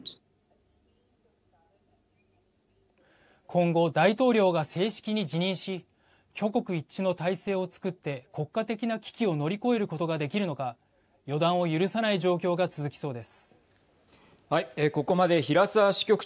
今後、大統領が正式に辞任し挙国一致の体制をつくって国家的な危機を乗り越えることができるのか予断を許さない状況が続きそうです。